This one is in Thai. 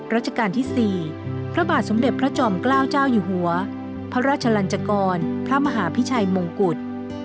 ราชการที่๔พระบาทสมเด็จพระจอมเกล้าเจ้าอยู่หัวพระราชลันจกรพระมหาพิชัยมงกุฎ